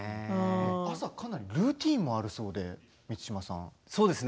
朝かなりルーティンもあるそうで、満島さん。